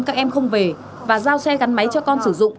các em không về và giao xe gắn máy cho con sử dụng